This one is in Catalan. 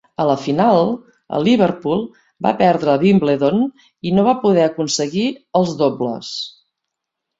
A la final, el Liverpool va perdre a Wimbledon i no va poder aconseguir els "dobles".